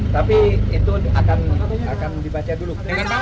tapi itu akan dibaca dulu